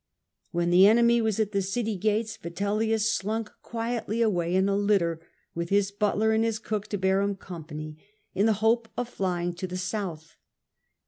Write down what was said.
When the enemy was at the city gates, Vitel lius slunk quietly away in a litter, with his butler and his cook to bear him company, in the hope of flying to the South.